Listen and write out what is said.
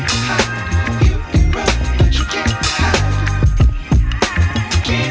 ayah kalau mama bilangin